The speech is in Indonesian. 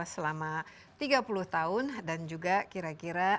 sehat pak louis